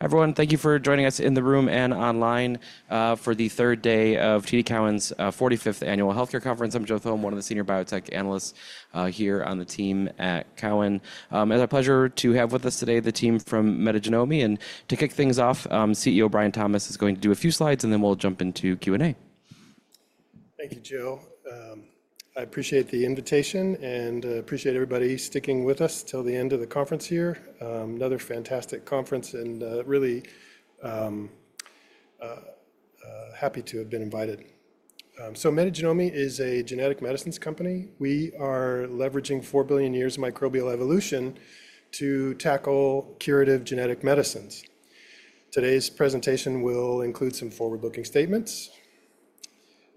Hi, everyone. Thank you for joining us in the room and online for the third day of TD Cowen's 45th Annual Healthcare Conference. I'm Joe Thome, one of the Senior Biotech Analysts here on the team at Cowen. It's a pleasure to have with us today the team from Metagenomi. To kick things off, CEO Brian Thomas is going to do a few slides, and then we'll jump into Q&A. Thank you, Joe. I appreciate the invitation and appreciate everybody sticking with us till the end of the conference here. Another fantastic conference, and really happy to have been invited. Metagenomi is a genetic medicines company. We are leveraging 4 billion years of microbial evolution to tackle curative genetic medicines. Today's presentation will include some forward-looking statements.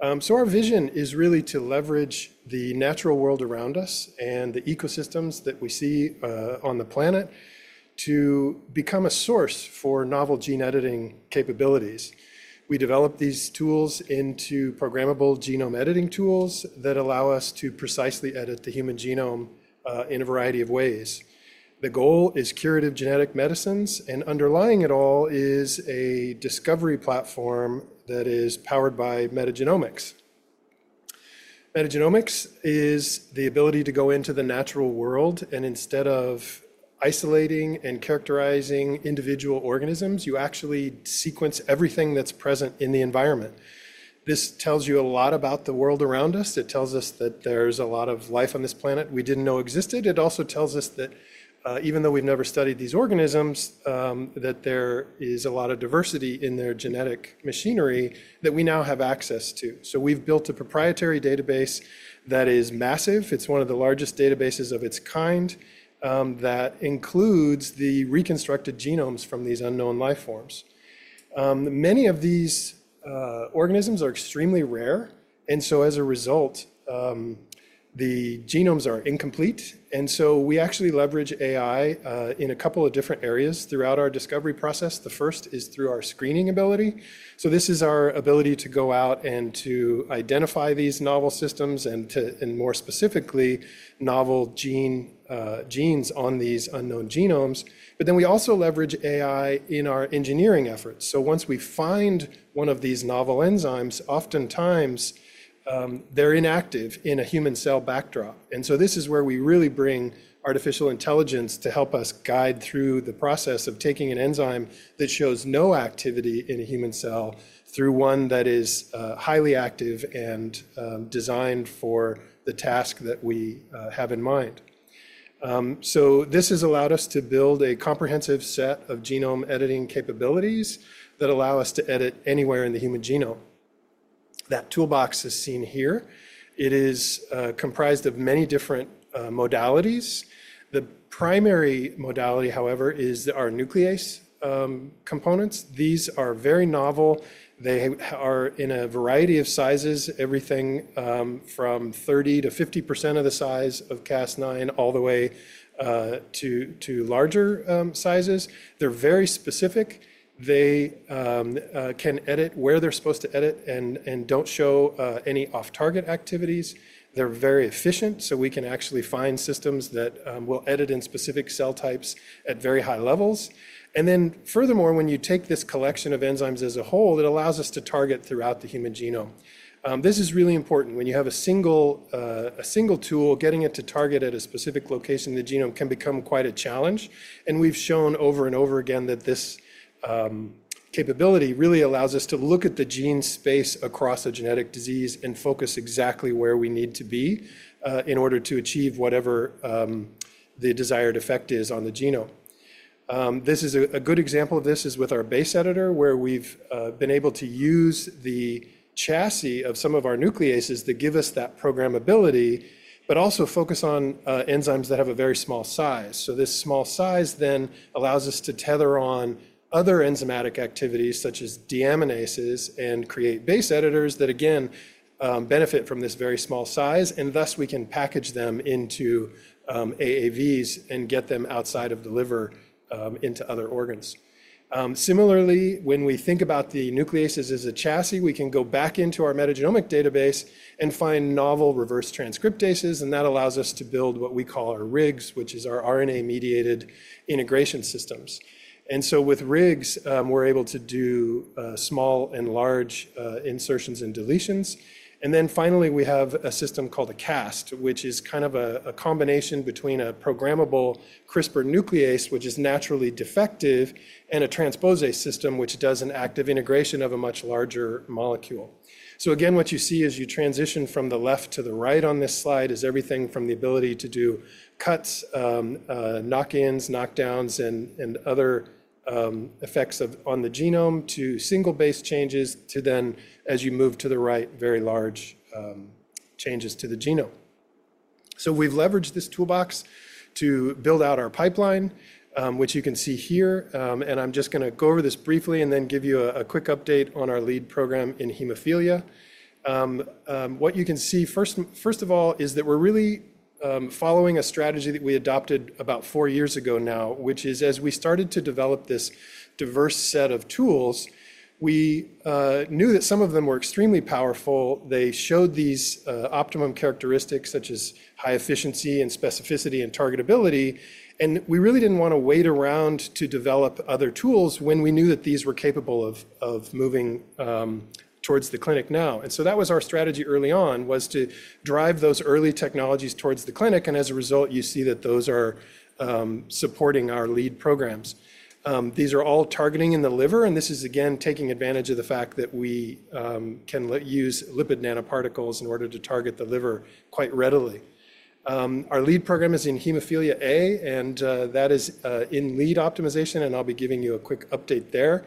Our vision is really to leverage the natural world around us and the ecosystems that we see on the planet to become a source for novel gene editing capabilities. We developed these tools into programmable genome editing tools that allow us to precisely edit the human genome in a variety of ways. The goal is curative genetic medicines, and underlying it all is a discovery platform that is powered by metagenomics. Metagenomics is the ability to go into the natural world, and instead of isolating and characterizing individual organisms, you actually sequence everything that's present in the environment. This tells you a lot about the world around us. It tells us that there's a lot of life on this planet we didn't know existed. It also tells us that even though we've never studied these organisms, that there is a lot of diversity in their genetic machinery that we now have access to. We've built a proprietary database that is massive. It's one of the largest databases of its kind that includes the reconstructed genomes from these unknown life forms. Many of these organisms are extremely rare, and as a result, the genomes are incomplete. We actually leverage AI in a couple of different areas throughout our discovery process. The first is through our screening ability. This is our ability to go out and to identify these novel systems and, more specifically, novel genes on these unknown genomes. We also leverage AI in our engineering efforts. Once we find one of these novel enzymes, oftentimes they're inactive in a human cell backdrop. This is where we really bring artificial intelligence to help us guide through the process of taking an enzyme that shows no activity in a human cell through one that is highly active and designed for the task that we have in mind. This has allowed us to build a comprehensive set of genome editing capabilities that allow us to edit anywhere in the human genome. That Toolbox is seen here. It is comprised of many different modalities. The primary modality, however, is our nuclease components. These are very novel. They are in a variety of sizes, everything from 30% to 50% of the size of Cas9 all the way to larger sizes. They're very specific. They can edit where they're supposed to edit and don't show any off-target activities. They're very efficient, so we can actually find systems that will edit in specific cell types at very high levels. Furthermore, when you take this collection of enzymes as a whole, it allows us to target throughout the human genome. This is really important. When you have a single tool, getting it to target at a specific location in the genome can become quite a challenge. We have shown over and over again that this capability really allows us to look at the gene space across a genetic disease and focus exactly where we need to be in order to achieve whatever the desired effect is on the genome. A good example of this is with our base editor, where we have been able to use the chassis of some of our nucleases to give us that programmability, but also focus on enzymes that have a very small size. This small size then allows us to tether on other enzymatic activities, such as deaminases, and create base editors that, again, benefit from this very small size. Thus, we can package them into AAVs and get them outside of the liver into other organs. Similarly, when we think about the nucleases as a chassis, we can go back into our metagenomic database and find novel reverse transcriptases. That allows us to build what we call our RIGS, which is our RNA-mediated integration systems. With RIGS, we're able to do small and large insertions and deletions. Finally, we have a system called a CAST, which is kind of a combination between a programmable CRISPR nuclease, which is naturally defective, and a transposase system, which does an active integration of a much larger molecule. What you see as you transition from the left to the right on this slide is everything from the ability to do cuts, knock-ins, knock-downs, and other effects on the genome to single base changes to then, as you move to the right, very large changes to the genome. We have leveraged this Toolbox to build out our pipeline, which you can see here. I am just going to go over this briefly and then give you a quick update on our lead program in hemophilia. What you can see, first of all, is that we are really following a strategy that we adopted about four years ago now, which is, as we started to develop this diverse set of tools, we knew that some of them were extremely powerful. They showed these optimum characteristics, such as high efficiency and specificity and targetability. We really did not want to wait around to develop other tools when we knew that these were capable of moving towards the clinic now. That was our strategy early on, to drive those early technologies towards the clinic. As a result, you see that those are supporting our lead programs. These are all targeting in the liver. This is, again, taking advantage of the fact that we can use lipid nanoparticles in order to target the liver quite readily. Our lead program is in hemophilia A, and that is in lead optimization. I'll be giving you a quick update there.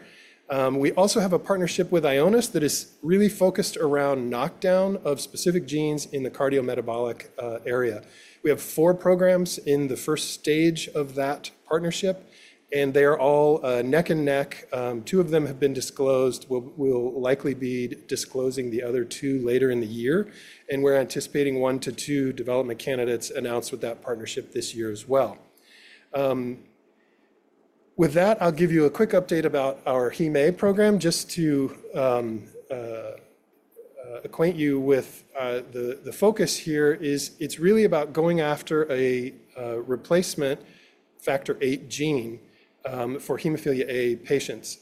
We also have a partnership with Ionis that is really focused around knockdown of specific genes in the cardiometabolic area. We have four programs in the first stage of that partnership, and they are all neck and neck. Two of them have been disclosed. We'll likely be disclosing the other two later in the year. We're anticipating one to two development candidates announced with that partnership this year as well. With that, I'll give you a quick update about our hemophilia A program. Just to acquaint you with the focus here is it's really about going after a replacement factor VIII gene for hemophilia A patients.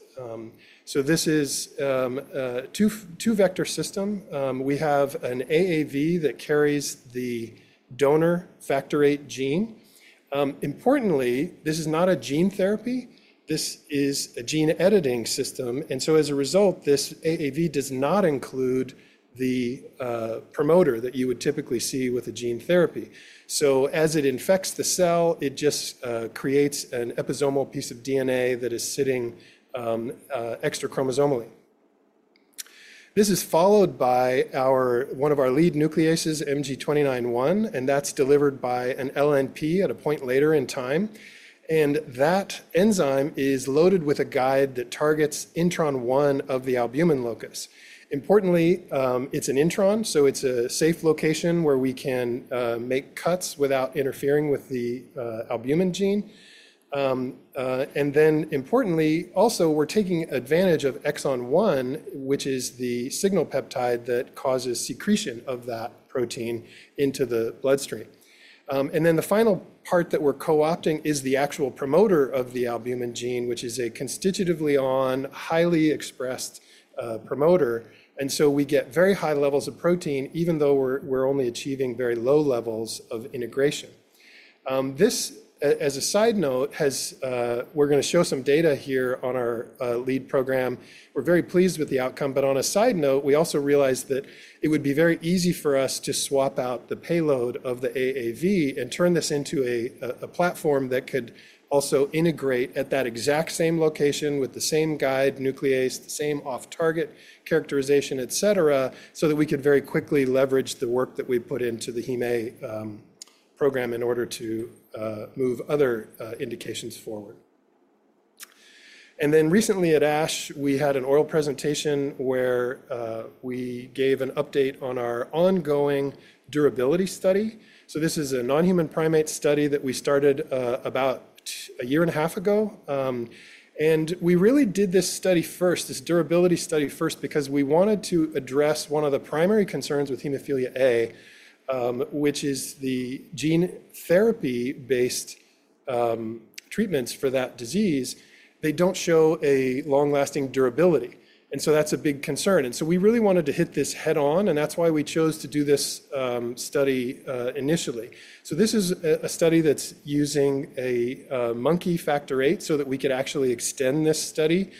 This is a two-vector system. We have an AAV that carries the donor factor VIII gene. Importantly, this is not a gene therapy. This is a gene editing system. As a result, this AAV does not include the promoter that you would typically see with a gene therapy. As it infects the cell, it just creates an episomal piece of DNA that is sitting extrachromosomally. This is followed by one of our lead nucleases, MG29-1, and that's delivered by an LNP at a point later in time. That enzyme is loaded with a guide that targets intron 1 of the albumin locus. Importantly, it's an intron, so it's a safe location where we can make cuts without interfering with the albumin gene. Importantly, also, we're taking advantage of exon 1, which is the signal peptide that causes secretion of that protein into the bloodstream. The final part that we're co-opting is the actual promoter of the albumin gene, which is a constitutively on, highly expressed promoter. We get very high levels of protein, even though we're only achieving very low levels of integration. This, as a side note, we're going to show some data here on our lead program. We're very pleased with the outcome. On a side note, we also realized that it would be very easy for us to swap out the payload of the AAV and turn this into a platform that could also integrate at that exact same location with the same guide nuclease, the same off-target characterization, et cetera, so that we could very quickly leverage the work that we put into the hemophilia A program in order to move other indications forward. Recently at ASH, we had an oral presentation where we gave an update on our ongoing durability study. This is a non-human primate study that we started about a year and a half ago. We really did this study first, this durability study first, because we wanted to address one of the primary concerns with hemophilia A, which is the gene therapy-based treatments for that disease. They do not show a long-lasting durability. That is a big concern. We really wanted to hit this head-on, and that is why we chose to do this study initially. This is a study that is using a monkey factor VIII so that we could actually extend this study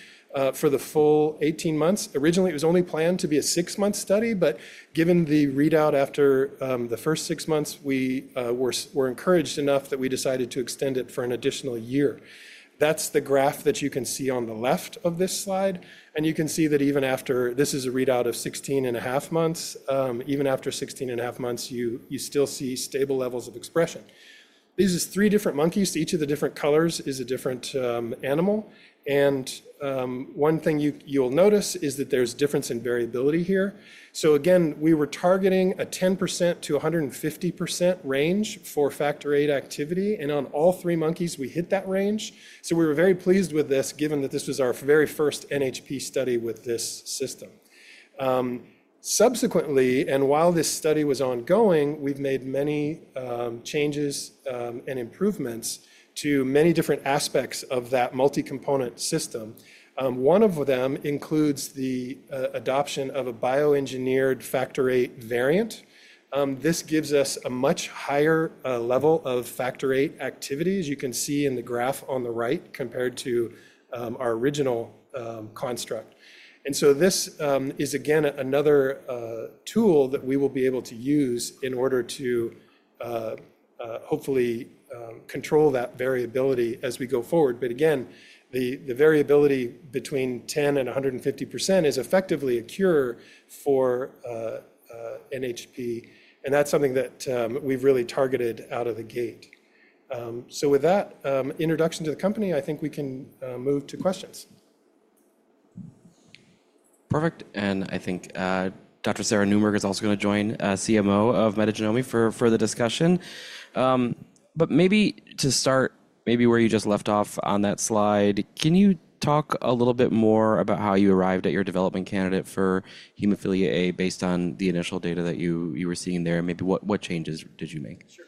for the full 18 months. Originally, it was only planned to be a six-month study, but given the readout after the first six months, we were encouraged enough that we decided to extend it for an additional year. That is the graph that you can see on the left of this slide. You can see that even after this is a readout of 16 and a half months, even after 16 and a half months, you still see stable levels of expression. These are three different monkeys. Each of the different colors is a different animal. One thing you'll notice is that there's difference in variability here. We were targeting a 10%-150% range for factor VIII activity. On all three monkeys, we hit that range. We were very pleased with this, given that this was our very first NHP study with this system. Subsequently, and while this study was ongoing, we've made many changes and improvements to many different aspects of that multi-component system. One of them includes the adoption of a bioengineered factor VIII variant. This gives us a much higher level of factor VIII activity, as you can see in the graph on the right compared to our original construct. This is, again, another tool that we will be able to use in order to hopefully control that variability as we go forward. Again, the variability between 10% and 150% is effectively a cure for NHP. That is something that we've really targeted out of the gate. With that introduction to the company, I think we can move to questions. Perfect. I think Dr. Sarah Noonberg is also going to join, CMO of Metagenomi, for the discussion. Maybe to start, maybe where you just left off on that slide, can you talk a little bit more about how you arrived at your development candidate for hemophilia A based on the initial data that you were seeing there? Maybe what changes did you make? Sure.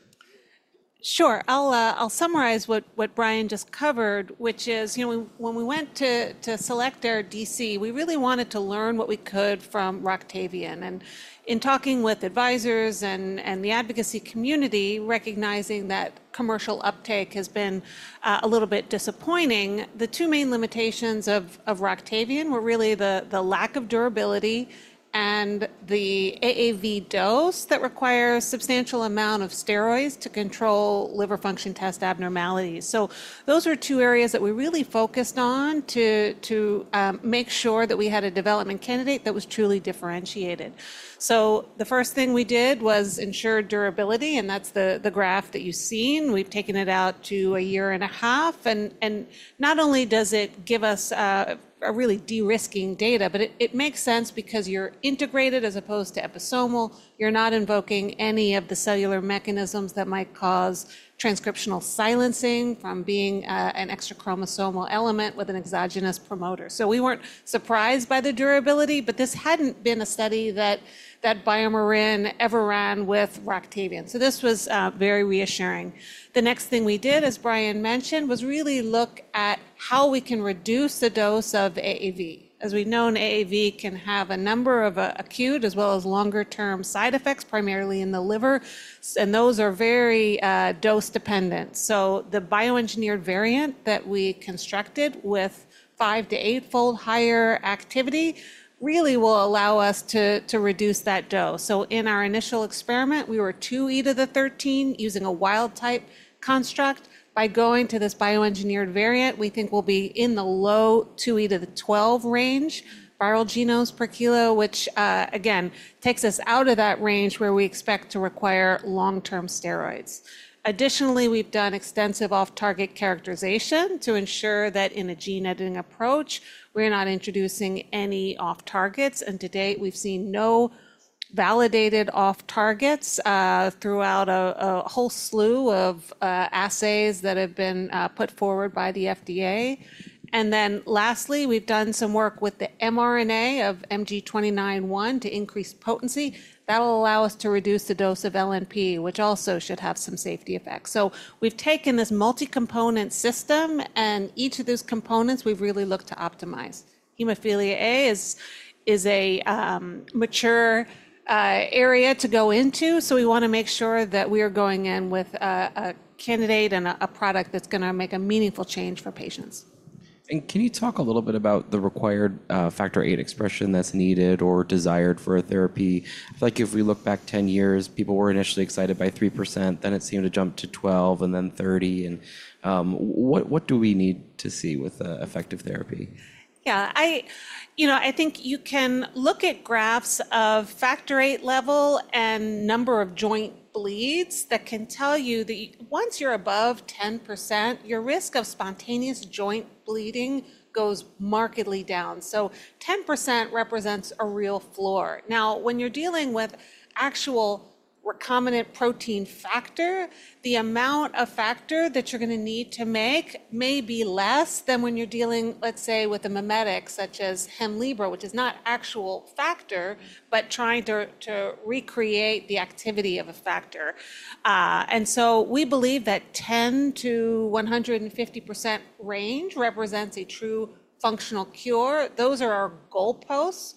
I'll summarize what Brian just covered, which is when we went to select our DC, we really wanted to learn what we could from Roctavian. In talking with advisors and the advocacy community, recognizing that commercial uptake has been a little bit disappointing, the two main limitations of Roctavian were really the lack of durability and the AAV dose that requires a substantial amount of steroids to control liver function test abnormalities. Those were two areas that we really focused on to make sure that we had a development candidate that was truly differentiated. The first thing we did was ensure durability. That's the graph that you've seen. We've taken it out to a year and a half. Not only does it give us really de-risking data, but it makes sense because you're integrated as opposed to episomal. You're not invoking any of the cellular mechanisms that might cause transcriptional silencing from being an extra chromosomal element with an exogenous promoter. We were not surprised by the durability, but this had not been a study that BioMarin ever ran with Roctavian. This was very reassuring. The next thing we did, as Brian mentioned, was really look at how we can reduce the dose of AAV. As we've known, AAV can have a number of acute as well as longer-term side effects, primarily in the liver. Those are very dose-dependent. The bioengineered variant that we constructed with five- to eight-fold higher activity really will allow us to reduce that dose. In our initial experiment, we were 2E to the 13 using a wild-type construct. By going to this bioengineered variant, we think we'll be in the low 2E-12 range, viral genomes per kilo, which, again, takes us out of that range where we expect to require long-term steroids. Additionally, we've done extensive off-target characterization to ensure that in a gene editing approach, we're not introducing any off-targets. To date, we've seen no validated off-targets throughout a whole slew of assays that have been put forward by the FDA. Lastly, we've done some work with the mRNA of MG29-1 to increase potency. That'll allow us to reduce the dose of LNP, which also should have some safety effects. We've taken this multi-component system, and each of those components, we've really looked to optimize. Hemophilia A is a mature area to go into. We want to make sure that we are going in with a candidate and a product that's going to make a meaningful change for patients. Can you talk a little bit about the required factor VIII expression that's needed or desired for a therapy? I feel like if we look back 10 years, people were initially excited by 3%. Then it seemed to jump to 12% and then 30%. What do we need to see with effective therapy? Yeah. I think you can look at graphs of factor VIII level and number of joint bleeds that can tell you that once you're above 10%, your risk of spontaneous joint bleeding goes markedly down. 10% represents a real floor. Now, when you're dealing with actual recombinant protein factor, the amount of factor that you're going to need to make may be less than when you're dealing, let's say, with a mimetic such as Hemlibra, which is not actual factor, but trying to recreate the activity of a factor. We believe that 10%-150% range represents a true functional cure. Those are our goalposts.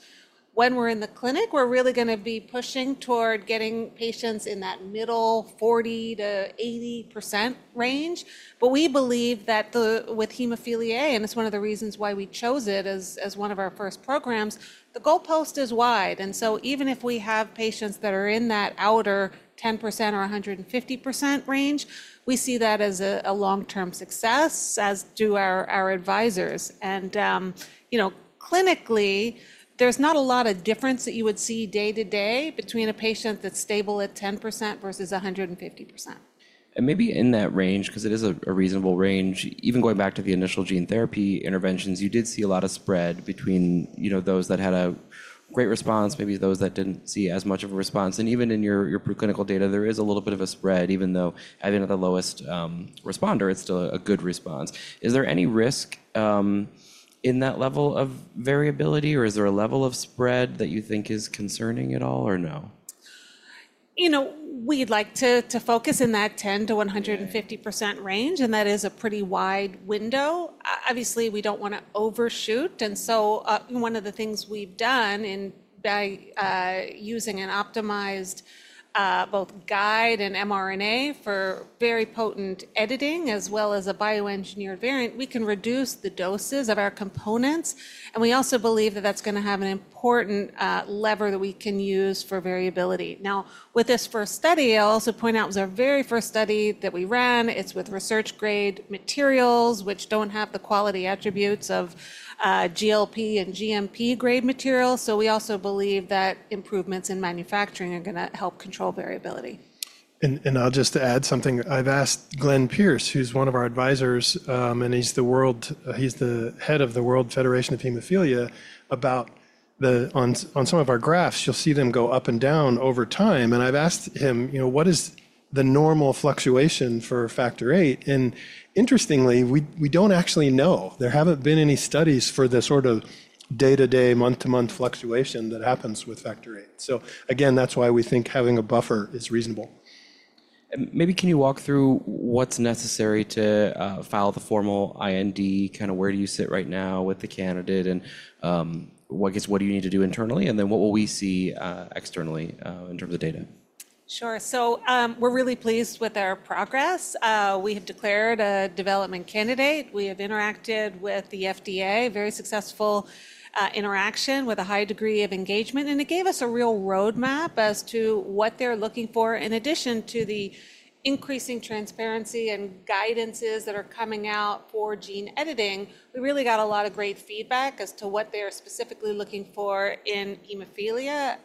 When we're in the clinic, we're really going to be pushing toward getting patients in that middle 40%-80% range. We believe that with hemophilia A, and it is one of the reasons why we chose it as one of our first programs, the goalpost is wide. Even if we have patients that are in that outer 10%-150% range, we see that as a long-term success, as do our advisors. Clinically, there is not a lot of difference that you would see day to day between a patient that is stable at 10% versus 150%. Maybe in that range, because it is a reasonable range, even going back to the initial gene therapy interventions, you did see a lot of spread between those that had a great response, maybe those that did not see as much of a response. Even in your preclinical data, there is a little bit of a spread, even though having the lowest responder, it is still a good response. Is there any risk in that level of variability, or is there a level of spread that you think is concerning at all or no? We'd like to focus in that 10%-150% range, and that is a pretty wide window. Obviously, we don't want to overshoot. One of the things we've done by using an optimized both guide and mRNA for very potent editing as well as a bioengineered variant, we can reduce the doses of our components. We also believe that that's going to have an important lever that we can use for variability. Now, with this first study, I'll also point out it was our very first study that we ran. It's with research-grade materials, which don't have the quality attributes of GLP and GMP-grade materials. We also believe that improvements in manufacturing are going to help control variability. I'll just add something. I've asked Glenn Pierce, who's one of our advisors, and he's the head of the World Federation of Hemophilia, about on some of our graphs, you'll see them go up and down over time. I've asked him, what is the normal fluctuation for factor VIII? Interestingly, we don't actually know. There haven't been any studies for the sort of day-to-day, month-to-month fluctuation that happens with factor VIII. That's why we think having a buffer is reasonable. Maybe can you walk through what's necessary to file the formal IND? Kind of where do you sit right now with the candidate? I guess, what do you need to do internally? What will we see externally in terms of data? Sure. We are really pleased with our progress. We have declared a development candidate. We have interacted with the FDA, very successful interaction with a high degree of engagement. It gave us a real roadmap as to what they are looking for. In addition to the increasing transparency and guidances that are coming out for gene editing, we really got a lot of great feedback as to what they are specifically looking for in hemophilia,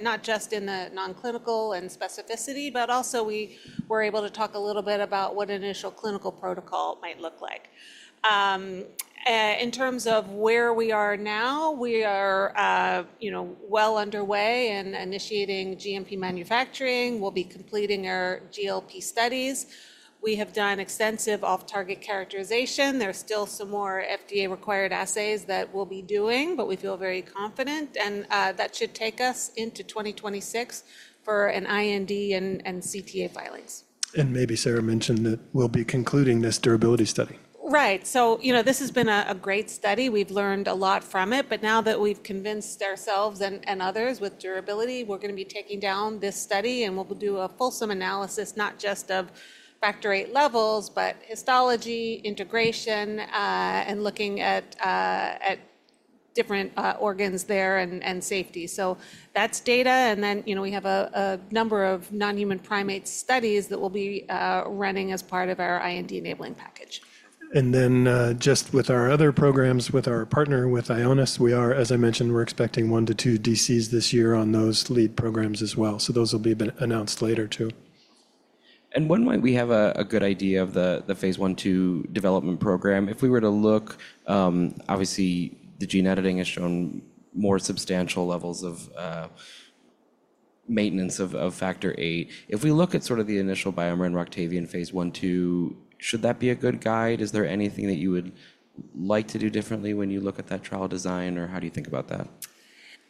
not just in the non-clinical and specificity, but also we were able to talk a little bit about what an initial clinical protocol might look like. In terms of where we are now, we are well underway in initiating GMP manufacturing. We will be completing our GLP studies. We have done extensive off-target characterization. There are still some more FDA-required assays that we will be doing, but we feel very confident. That should take us into 2026 for an IND and CTA filings. Maybe Sarah mentioned that we'll be concluding this durability study. Right. This has been a great study. We've learned a lot from it. Now that we've convinced ourselves and others with durability, we're going to be taking down this study and we'll do a fulsome analysis, not just of factor VIII levels, but histology, integration, and looking at different organs there and safety. That's data. We have a number of non-human primate studies that we'll be running as part of our IND enabling package. With our other programs, with our partner with Ionis, we are, as I mentioned, we're expecting one to two DCs this year on those lead programs as well. Those will be announced later too. One way we have a good idea of the phase I/II development program, if we were to look, obviously, the gene editing has shown more substantial levels of maintenance of factor VIII. If we look at sort of the initial BioMarin-Roctavian phase I/II, should that be a good guide? Is there anything that you would like to do differently when you look at that trial design, or how do you think about that?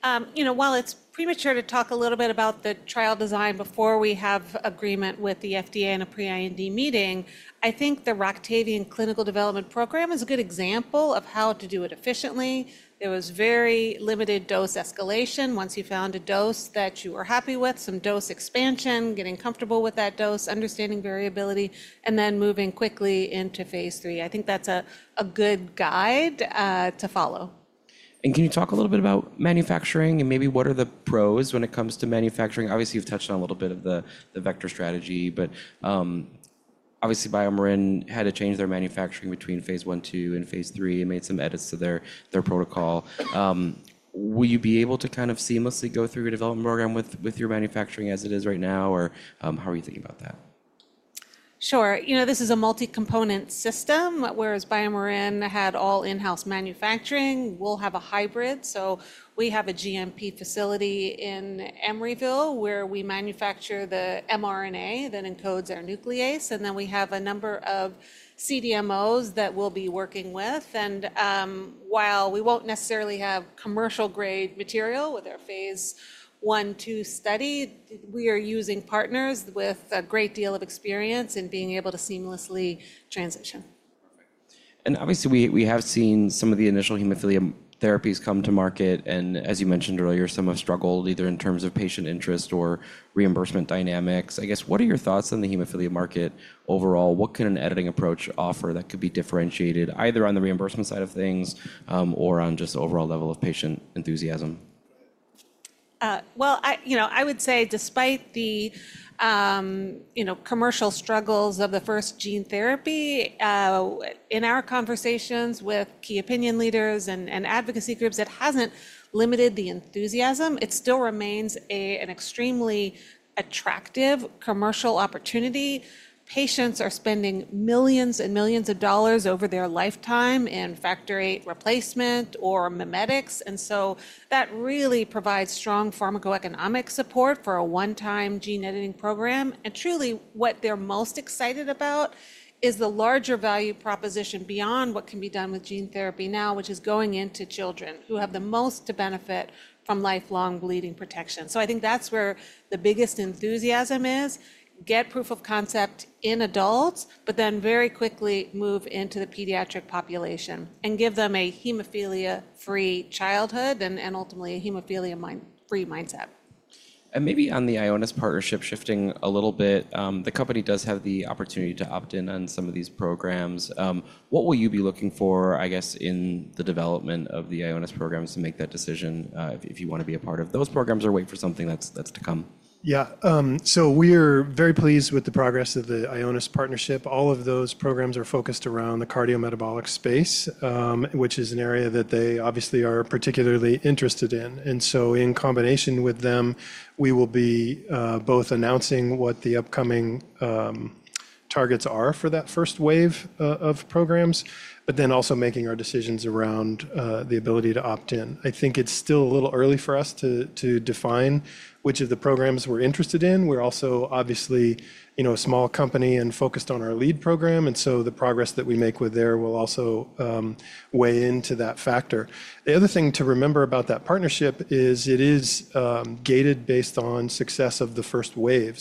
While it's premature to talk a little bit about the trial design before we have agreement with the FDA in a pre-IND meeting, I think the Roctavian clinical development program is a good example of how to do it efficiently. There was very limited dose escalation. Once you found a dose that you were happy with, some dose expansion, getting comfortable with that dose, understanding variability, and then moving quickly into phase III. I think that's a good guide to follow. Can you talk a little bit about manufacturing and maybe what are the pros when it comes to manufacturing? Obviously, you've touched on a little bit of the vector strategy, but obviously, BioMarin had to change their manufacturing between phase I/II and phase III and made some edits to their protocol. Will you be able to kind of seamlessly go through your development program with your manufacturing as it is right now, or how are you thinking about that? Sure. This is a multi-component system, whereas BioMarin had all in-house manufacturing. We'll have a hybrid. We have a GMP facility in Emeryville where we manufacture the mRNA that encodes our nuclease. We have a number of CDMOs that we'll be working with. While we won't necessarily have commercial-grade material with our phase I/II study, we are using partners with a great deal of experience in being able to seamlessly transition. Obviously, we have seen some of the initial hemophilia therapies come to market. As you mentioned earlier, some have struggled either in terms of patient interest or reimbursement dynamics. I guess, what are your thoughts on the hemophilia market overall? What can an editing approach offer that could be differentiated either on the reimbursement side of things or on just overall level of patient enthusiasm? I would say despite the commercial struggles of the first gene therapy, in our conversations with key opinion leaders and advocacy groups, it hasn't limited the enthusiasm. It still remains an extremely attractive commercial opportunity. Patients are spending millions and millions of dollars over their lifetime in factor VIII replacement or memetics. That really provides strong pharmacoeconomic support for a one-time gene editing program. Truly, what they're most excited about is the larger value proposition beyond what can be done with gene therapy now, which is going into children who have the most to benefit from lifelong bleeding protection. I think that's where the biggest enthusiasm is: get proof of concept in adults, but then very quickly move into the pediatric population and give them a hemophilia-free childhood and ultimately a hemophilia-free mindset. Maybe on the Ionis partnership, shifting a little bit, the company does have the opportunity to opt in on some of these programs. What will you be looking for, I guess, in the development of the Ionis programs to make that decision if you want to be a part of those programs or wait for something that's to come? Yeah. We are very pleased with the progress of the Ionis partnership. All of those programs are focused around the cardiometabolic space, which is an area that they obviously are particularly interested in. In combination with them, we will be both announcing what the upcoming targets are for that first wave of programs, but then also making our decisions around the ability to opt in. I think it's still a little early for us to define which of the programs we're interested in. We're also obviously a small company and focused on our lead program. The progress that we make with there will also weigh into that factor. The other thing to remember about that partnership is it is gated based on success of the first wave.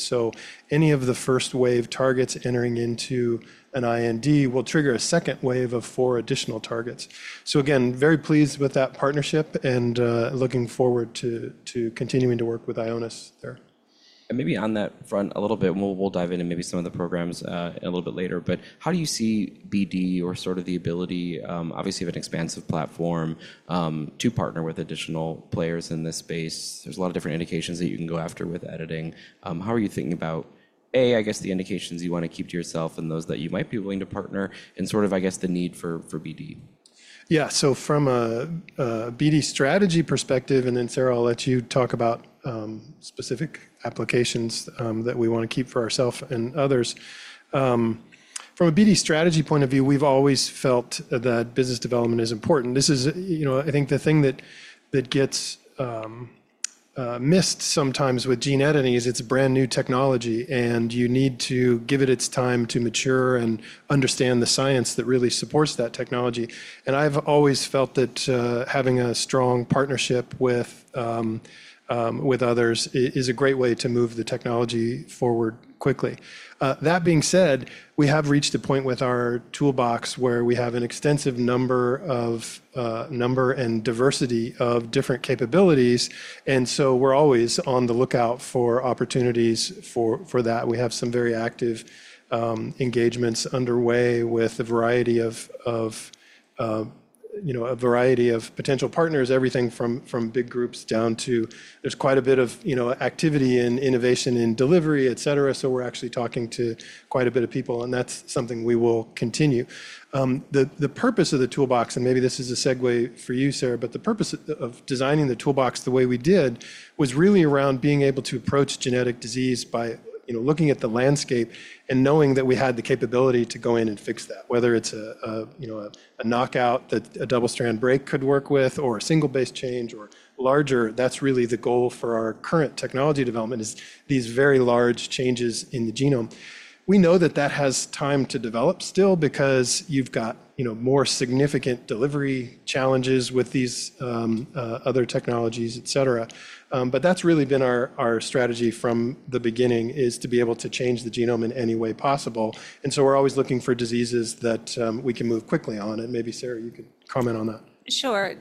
Any of the first wave targets entering into an IND will trigger a second wave of four additional targets. Again, very pleased with that partnership and looking forward to continuing to work with Ionis there. Maybe on that front a little bit, we'll dive into maybe some of the programs a little bit later. How do you see BD or sort of the ability, obviously of an expansive platform, to partner with additional players in this space? There's a lot of different indications that you can go after with editing. How are you thinking about, I guess, the indications you want to keep to yourself and those that you might be willing to partner, and sort of, I guess, the need for BD? Yeah. From a BD strategy perspective, and then Sarah, I'll let you talk about specific applications that we want to keep for ourselves and others. From a BD strategy point of view, we've always felt that business development is important. This is, I think, the thing that gets missed sometimes with gene editing is it's a brand new technology, and you need to give it its time to mature and understand the science that really supports that technology. I've always felt that having a strong partnership with others is a great way to move the technology forward quickly. That being said, we have reached a point with our Toolbox where we have an extensive number and diversity of different capabilities. We are always on the lookout for opportunities for that. We have some very active engagements underway with a variety of potential partners, everything from big groups down to there's quite a bit of activity in innovation and delivery, et cetera. We are actually talking to quite a bit of people, and that's something we will continue. The purpose of the Toolbox, and maybe this is a segue for you, Sarah, but the purpose of designing the Toolbox the way we did was really around being able to approach genetic disease by looking at the landscape and knowing that we had the capability to go in and fix that. Whether it's a knockout that a double-strand break could work with or a single base change or larger, that's really the goal for our current technology development is these very large changes in the genome. We know that that has time to develop still because you've got more significant delivery challenges with these other technologies, et cetera. That's really been our strategy from the beginning is to be able to change the genome in any way possible. We're always looking for diseases that we can move quickly on. Maybe Sarah, you could comment on that. Sure.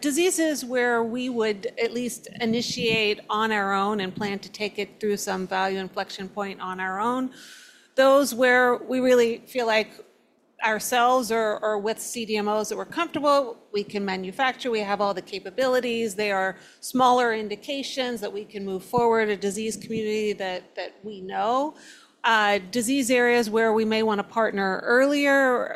Diseases where we would at least initiate on our own and plan to take it through some value inflection point on our own, those where we really feel like ourselves or with CDMOs that we're comfortable, we can manufacture, we have all the capabilities, they are smaller indications that we can move forward a disease community that we know. Disease areas where we may want to partner earlier,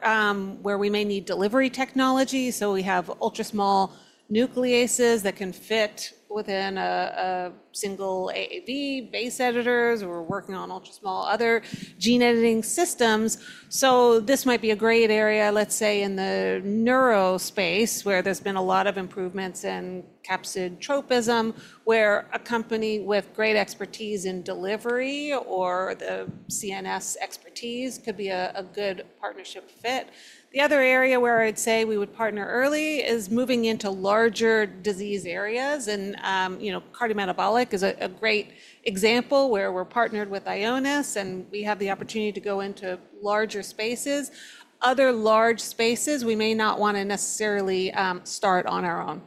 where we may need delivery technology. We have ultra-small nucleases that can fit within a single AAV base editors. We're working on ultra-small other gene editing systems. This might be a great area, let's say in the neuro space where there's been a lot of improvements in capsid tropism, where a company with great expertise in delivery or the CNS expertise could be a good partnership fit. The other area where I'd say we would partner early is moving into larger disease areas. Cardiometabolic is a great example where we're partnered with Ionis and we have the opportunity to go into larger spaces. Other large spaces we may not want to necessarily start on our own.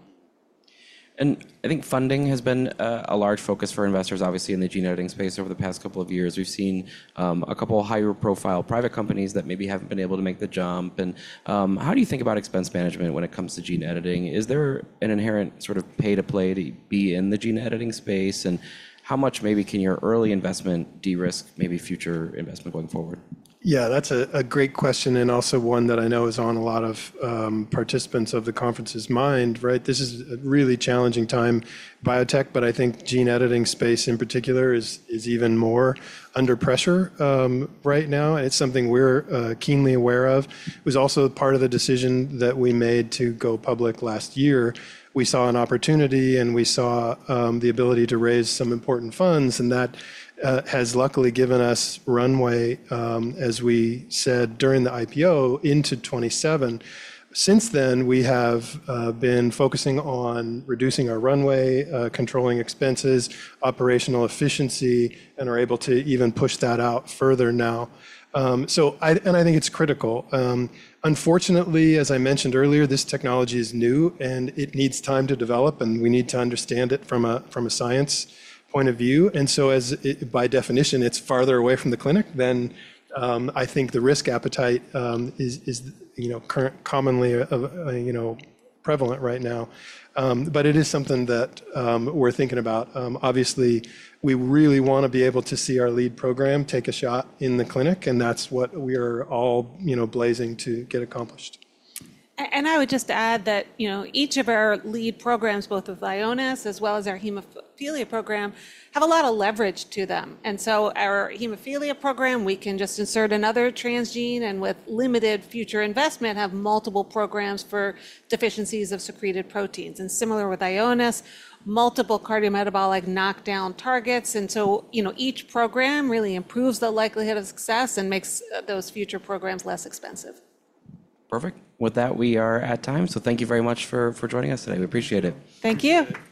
I think funding has been a large focus for investors, obviously, in the gene editing space over the past couple of years. We've seen a couple of higher profile private companies that maybe haven't been able to make the jump. How do you think about expense management when it comes to gene editing? Is there an inherent sort of pay-to-play to be in the gene editing space? How much maybe can your early investment de-risk maybe future investment going forward? Yeah, that's a great question and also one that I know is on a lot of participants of the conference's mind. This is a really challenging time, biotech, but I think gene editing space in particular is even more under pressure right now. It's something we're keenly aware of. It was also part of the decision that we made to go public last year. We saw an opportunity and we saw the ability to raise some important funds. That has luckily given us runway, as we said during the IPO, into 2027. Since then, we have been focusing on reducing our runway, controlling expenses, operational efficiency, and are able to even push that out further now. I think it's critical. Unfortunately, as I mentioned earlier, this technology is new and it needs time to develop and we need to understand it from a science point of view. By definition, it's farther away from the clinic than I think the risk appetite is commonly prevalent right now. It is something that we're thinking about. Obviously, we really want to be able to see our lead program take a shot in the clinic, and that's what we are all blazing to get accomplished. I would just add that each of our lead programs, both with Ionis as well as our hemophilia program, have a lot of leverage to them. Our hemophilia program, we can just insert another transgene and with limited future investment have multiple programs for deficiencies of secreted proteins. Similar with Ionis, multiple cardiometabolic knockdown targets. Each program really improves the likelihood of success and makes those future programs less expensive. Perfect. With that, we are at time. Thank you very much for joining us today. We appreciate it. Thank you.